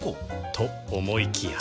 と思いきや